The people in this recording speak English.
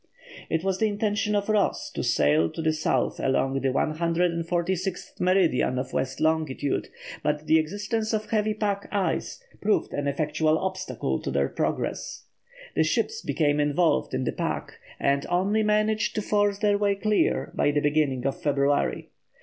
It was the intention of Ross to sail to the South along the 146th meridian of west longitude, but the existence of heavy pack ice proved an effectual obstacle to their progress. The ships became involved in the pack, and only managed to force their way clear by the beginning of February.